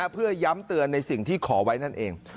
เพื่อย้ำเตือนในสิ่งที่ขอไว้นั่นเอง